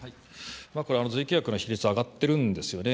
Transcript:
これ、随意契約の比率は上がってるんですよね。